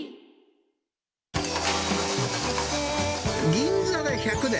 銀座で１００年。